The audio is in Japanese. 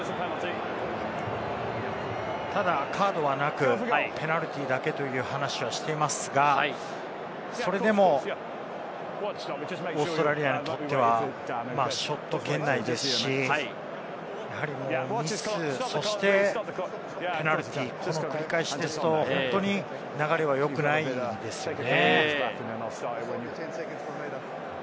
ただカードはなく、ペナルティーだけという話はしていますが、それでもオーストラリアにとってはショット圏内ですし、やはりミス、そしてペナルティー、こうした繰り返しですと、本当に流れはよくないですよね。